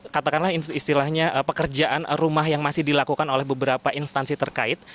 katakanlah istilahnya pekerjaan rumah yang masih dilakukan oleh beberapa instansi terkait